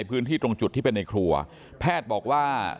พื้นที่ตรงจุดที่เป็นในครัวแพทย์บอกว่า